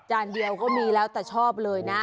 เดียวก็มีแล้วแต่ชอบเลยนะ